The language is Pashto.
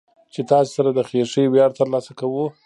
چې تاسې سره د خېښۍ وياړ ترلاسه کو.